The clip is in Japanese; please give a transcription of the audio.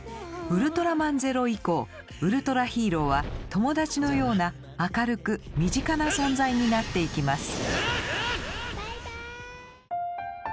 ウルトラマンゼロ以降ウルトラヒーローは友達のような明るく身近な存在になっていきます。